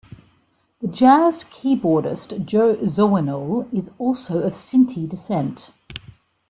The jazz keyboardist Joe Zawinul was also of Sinti descent.